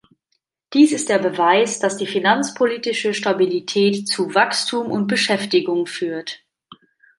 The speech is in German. Dies ist der Beweis, dass die finanzpolitische Stabilität zu Wachstum und Beschäftigung führt.